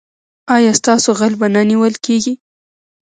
ایا ستاسو غل به نه نیول کیږي؟